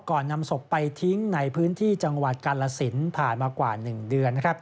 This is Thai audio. นำศพไปทิ้งในพื้นที่จังหวัดกาลสินผ่านมากว่า๑เดือน